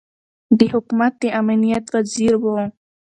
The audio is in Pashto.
د حکومت د امنیت وزیر ؤ